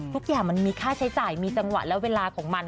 ทุกอย่างมันมีค่าใช้จ่ายมีจังหวะและเวลาของมัน